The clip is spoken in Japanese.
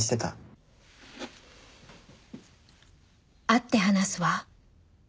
会って話すわ。